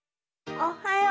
おはよう。